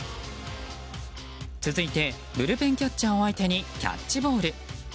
続いて、ブルペンキャッチャーを相手にキャッチボール。